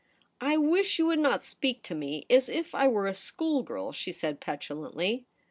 * I wish you would not speak to me as if I were a schoolgirl,' she said petulantly.